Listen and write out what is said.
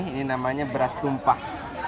ini namanya beras tumpah